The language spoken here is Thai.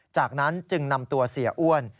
จากนั้นจึงนำตัวเสียอ้วน